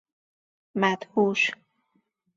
مدهوش